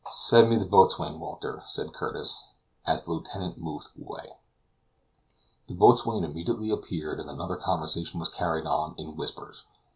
"Send me the boatswain, Walter," said Curtis aloud as the lieutenant moved away. The boatswain immediately appeared, and another conversation was carried on in whispers.